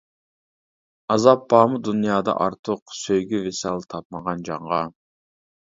ئازاب بارمۇ دۇنيادا ئارتۇق، سۆيگۈ ۋىسال تاپمىغان جانغا.